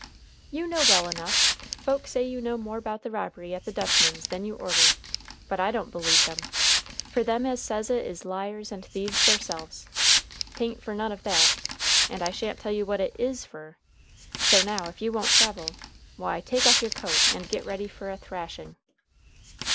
"You know well enough. Folks says you know more 'bout the robbery at the Dutchman's than you orter. But I don't believe them. Fer them as says it is liars and thieves theirselves. 'Ta'n't fer none of that. And I shan't tell you what it is fer. So now, if you won't travel, why, take off your coat and git ready fer a thrashing."